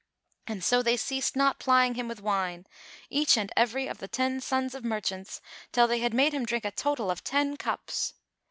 And so they ceased not plying him with wine, each and every of the ten sons of merchants till they had made him drink a total of ten cups.